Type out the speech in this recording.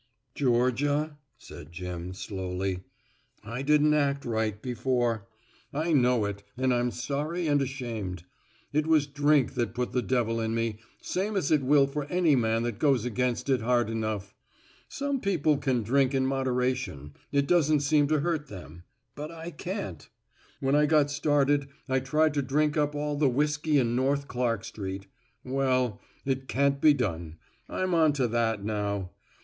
"Georgia," said Jim slowly, "I didn't act right before. I know it and I'm sorry and ashamed. It was drink that put the devil in me, same as it will for any man that goes against it hard enough........ Some people can drink in moderation it doesn't seem to hurt them. But I can't. When I got started I tried to drink up all the whiskey in North Clark Street. Well, it can't be done. I'm onto that now.